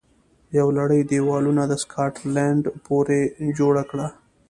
یوه لړۍ دېوالونه د سکاټلند پورې جوړه کړه